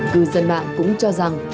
cư dân mạng cũng cho rằng